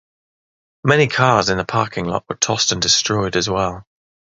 Many cars in the parking lot were tossed and destroyed as well.